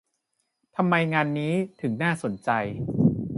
ทำไมงานนี้ถึงน่าสนใจ